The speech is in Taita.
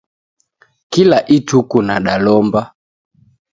Kila ituku nadalomba.